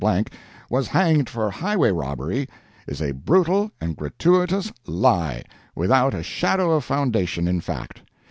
Blank, was hanged for highway robbery, is a brutal and gratuitous LIE, without a shadow of foundation in fact.